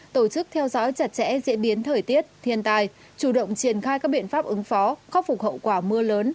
tổ chức theo dõi chặt chẽ diễn biến thời tiết thiên tài chủ động triển khai các biện pháp ứng phó khắc phục hậu quả mưa lớn